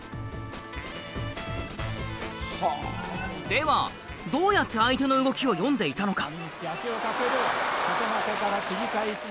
ではどうやって相手の動きを読んでいたのか。